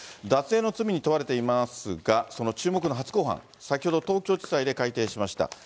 脱税の罪に問われていますが、その注目の初公判、先ほど、東京地裁で開廷しました。